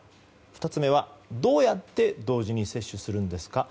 ２つ目はどうやって同時に接種するんですか？